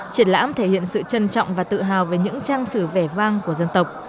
triển lãm thể hiện sự trân trọng và tự hào về những trang sử vẻ vang của dân tộc